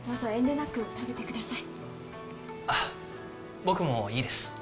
僕もいいです。